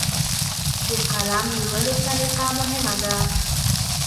د قلم نیولو سلیقه مهمه ده.